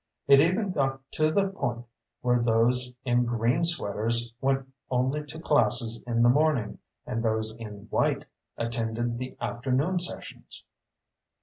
It even got to the point where those in green sweaters went only to classes in the morning and those in white attended the afternoon sessions.